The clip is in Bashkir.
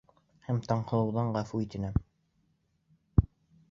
Һәм Таңһылыуҙан ғәфү үтенәм!